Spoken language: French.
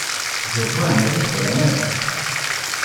Je vois un navire sur la mer !